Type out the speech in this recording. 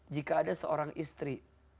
jika ada seorang istri